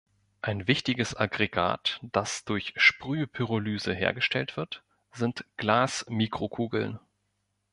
Ein wichtiges Aggregat, das durch Sprühpyrolyse hergestellt wird, sind Glasmikrokugeln.